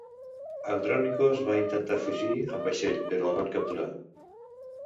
Andronikos va intentar fugir amb vaixell, però el van capturar.